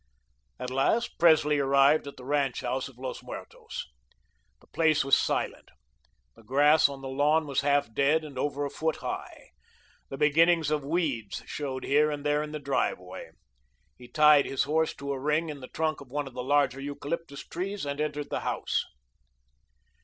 At last, Presley arrived at the ranch house of Los Muertos. The place was silent; the grass on the lawn was half dead and over a foot high; the beginnings of weeds showed here and there in the driveway. He tied his horse to a ring in the trunk of one of the larger eucalyptus trees and entered the house.